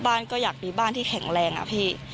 ก็อยากมีบ้านที่แข็งแรงอะพี่